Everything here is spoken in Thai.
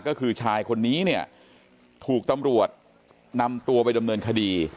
ก็คือชายคนนี้เนี่ยถูกตำรวจนำตัวไปดำเนินคดี